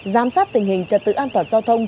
giám sát tình hình trật tự an toàn giao thông